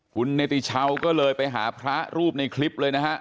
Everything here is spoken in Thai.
คุณเนติชาวก็เลยไปหาพระรูปในคลิปเลยนะฮะ